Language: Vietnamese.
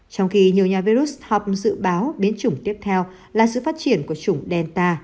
trong khi nhiều nhà virus hop dự báo biến chủng tiếp theo là sự phát triển của chủng delta